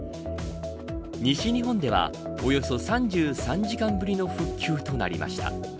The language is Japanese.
西日本ではおよそ３３時間ぶりの復旧となりました。